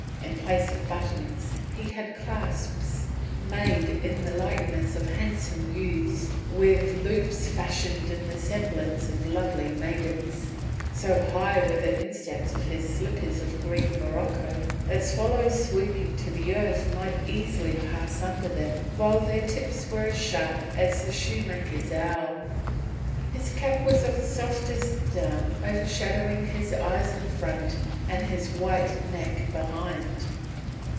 In place of buttons he had clasps made in the likeness of handsome youths with loops fashioned in the semblance of lovely maidens. So high were the insteps of his slippers of green morocco that swallows swooping to the earth might easily pass under them, while their tips were as sharp as the shoemaker's awl. His cap was of softest down overshadowing his eyes in front and his white neck behind.